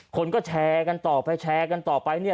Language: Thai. คนก็แชร์กันต่อไปแชร์กันต่อไปเนี่ย